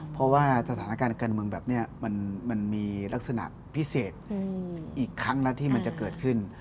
เพราะว่าสถานการณ์การเมืองแบบนี้มันมีลักษณะพิเศษอีกครั้งแล้วที่มันจะเกิดขึ้น